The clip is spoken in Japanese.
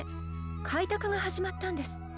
開拓が始まったんですって。